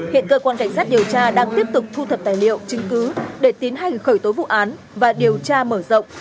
hiện cơ quan cảnh sát điều tra đang tiếp tục thu thập tài liệu chứng cứ để tiến hành khởi tố vụ án và điều tra mở rộng